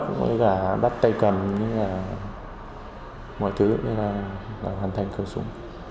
ngoài thứ nữa là hoàn thành khẩu súng